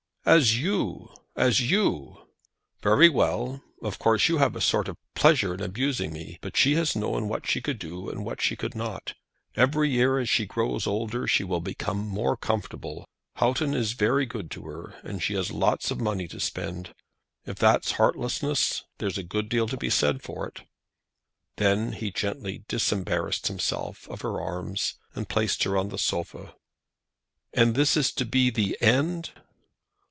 "As you; as you." "Very well. Of course you have a sort of pleasure in abusing me. But she has known what she could do, and what she could not. Every year as she grows older she will become more comfortable. Houghton is very good to her, and she has lots of money to spend. If that's heartlessness there's a good deal to be said for it." Then he gently disembarrassed himself of her arms, and placed her on a sofa. "And this is to be the end?"